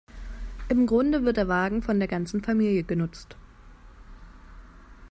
Im Grunde wird der Wagen von der ganzen Familie genutzt.